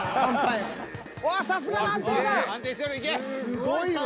すごいわ。